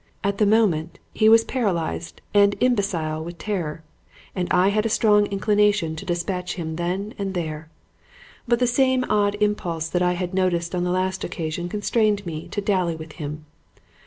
At the moment he was paralyzed and imbecile with terror, and I had a strong inclination to dispatch him then and there; but the same odd impulse that I had noticed on the last occasion constrained me to dally with him.